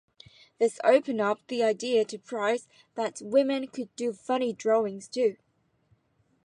This opened up the idea to Price that women could do "funny drawings" too.